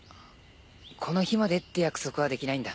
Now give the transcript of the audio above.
この日までって約束はできないんだ。